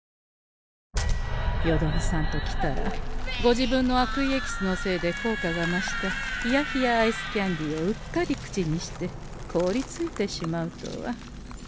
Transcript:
よどみさんときたらご自分の悪意エキスのせいで効果が増した冷や冷やアイスキャンディをうっかり口にしてこおりついてしまうとは。